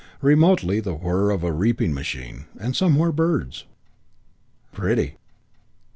Remotely the whirr of a reaping machine. And somewhere birds.... Pretty!